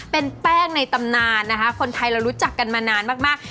เป็นแป้งในตำนานนะคะคนไทยเรารู้จักกันมานานมาก